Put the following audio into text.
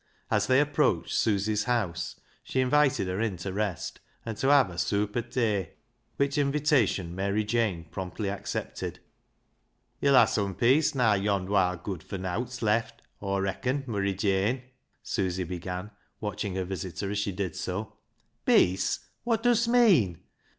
As they approached Susy's house she invited her in to rest and have " a sooap o' tay," which invitation Mary Jane promptly accepted. " Yo'll ha' some peace naa yond' wild good fur nowt's left, Aw reacon, Murry Jane," Susy began, watching her visitor as she did so. "Peace ! wot dust meean?